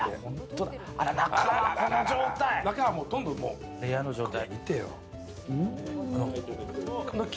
中はほとんどレアの状態。